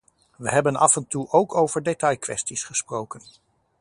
We hebben af en toe ook over detailkwesties gesproken.